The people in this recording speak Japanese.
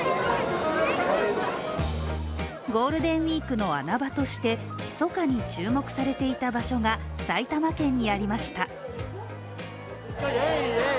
ゴールデンウイークの穴場としてひそかに注目されていた場所が埼玉県にありました。